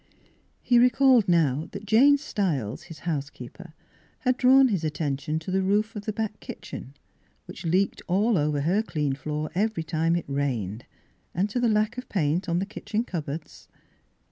He recalled now that Jane Stiles, his house keeper, had drawn his attention to the roof of the back kitchen, which leaked all over her clean floor every time it rained, and to the lack of paint on the kitchen cupboards.